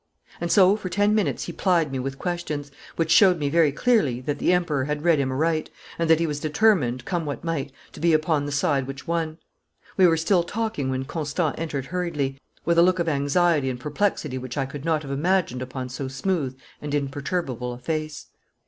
And so for ten minutes he plied me with questions, which showed me clearly that the Emperor had read him aright, and that he was determined, come what might, to be upon the side which won. We were still talking when Constant entered hurriedly, with a look of anxiety and perplexity which I could not have imagined upon so smooth and imperturbable a face.